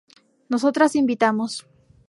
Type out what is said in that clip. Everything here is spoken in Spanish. Nosotras invitamos